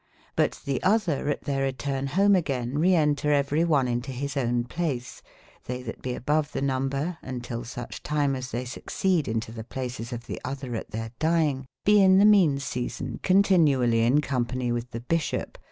But the other at their retoume home again reentre every oneintohisowneplace, theytbatbeabove thenumbre(untillsuchetimeas they sue/ cede into the places of the other at their dyinge) be in the meane season continu allie in companie with the bisboppe.